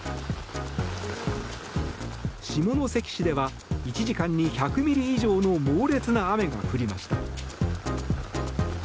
下関市では１時間に１００ミリ以上の猛烈な雨が降りました。